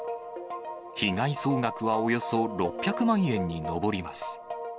被害総額はおよそ６００万円に上ります。